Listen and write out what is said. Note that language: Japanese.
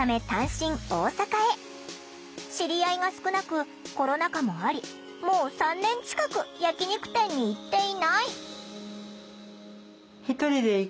知り合いが少なくコロナ禍もありもう３年近く焼き肉店に行っていない。